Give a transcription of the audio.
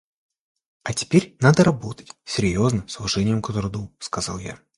— А теперь надо работать, — серьезно, с уважением к труду, сказал я.